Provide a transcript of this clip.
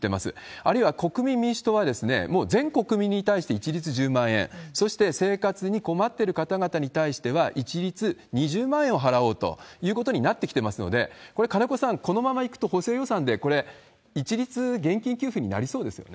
あるいは国民民主党は、もう全国民に対して一律１０万円、そして生活に困っている方々に対しては、一律２０万円を払おうということになってきていますので、これ、金子さん、このままいくと補正予算でこれ、一律現金給付になりそうですよね。